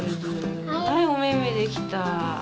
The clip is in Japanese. はいおめめできた。